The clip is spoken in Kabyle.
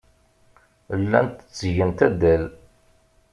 Llant ttgent addal.